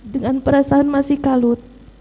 dengan perasaan masih kalut